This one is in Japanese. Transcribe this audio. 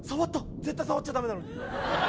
絶対触っちゃ駄目なのに。